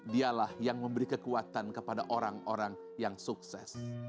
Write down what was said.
dialah yang memberi kekuatan kepada orang orang yang sukses